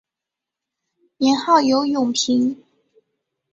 年号有永平。